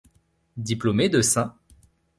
Diplômé de St.